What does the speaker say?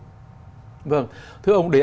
thưa ông để anh nói về các trường đại học